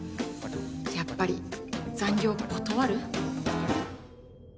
やっぱり、残業断る？